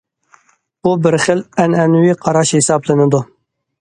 بۇ بىر خىل ئەنئەنىۋى قاراش ھېسابلىنىدۇ.